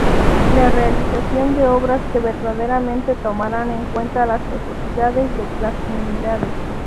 La realización de obras que verdaderamente tomaran en cuenta las necesidades de las comunidades.